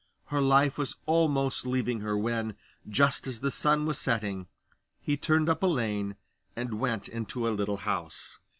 Her life was almost leaving her, when, just as the sun was setting, he turned up a lane, and went into a little house.